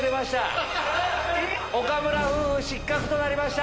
岡村夫婦失格となりました。